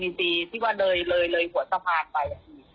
ปีทีที่ลอยหัวสภาพไป